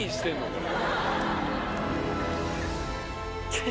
これ。